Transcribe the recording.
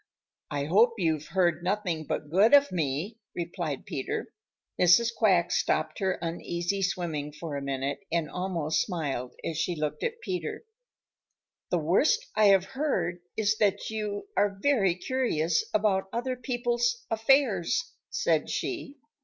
"I hope you've heard nothing but good of me," replied Peter. Mrs. Quack stopped her uneasy swimming for a minute and almost smiled as she looked at Peter, "The worst I have heard is that you are very curious about other people's affairs," said she.